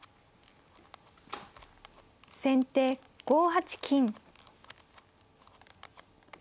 先手５八金。